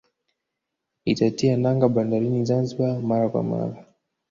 Itatia nanga bandarini Zanzibar mara kwa mara